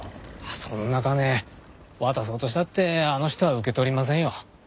そんな金渡そうとしたってあの人は受け取りませんよ。